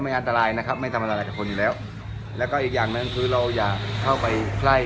ไม่ทำอะไรกับคนอยู่แล้วแล้วก็อีกอย่างนั้นคือเราอยากเข้าไปไพร่